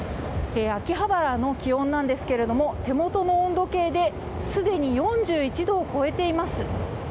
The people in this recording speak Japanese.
秋葉原の気温なんですが手元の温度計ですでに４１度を超えています。